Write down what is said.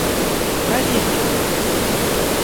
Проверь меня.